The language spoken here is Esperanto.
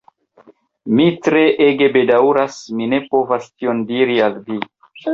Mi treege bedaŭras, mi ne povas tion diri al vi.